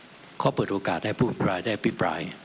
เพราะเขาเปิดโอกาสให้ผู้อภิปรายได้พิปราย